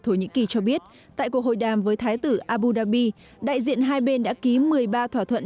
thổ nhĩ kỳ cho biết tại cuộc hội đàm với thái tử abu dhabi đại diện hai bên đã ký một mươi ba thỏa thuận